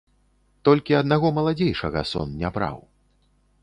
Толькі аднаго маладзейшага сон не браў.